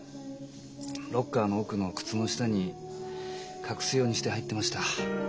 ロッカーの奥の靴の下に隠すようにして入ってました。